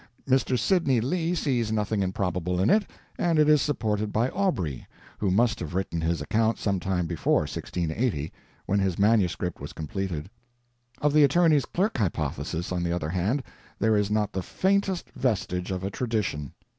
Mr. Sidney Lee sees nothing improbable in it, and it is supported by Aubrey, who must have written his account some time before 1680, when his manuscript was completed. Of the attorney's clerk hypothesis, on the other hand, there is not the faintest vestige of a tradition.